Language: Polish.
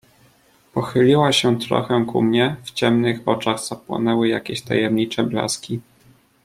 "Pochyliła się trochę ku mnie, w ciemnych oczach zapłonęły jakieś tajemnicze blaski."